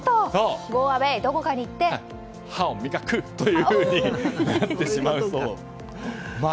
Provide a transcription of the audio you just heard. どこかに行って歯を磨くというふうになってしまうそう。